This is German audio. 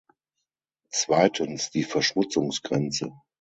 Zweitens, die Verschmutzungsgrenze.